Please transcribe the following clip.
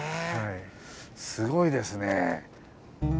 すごいですね。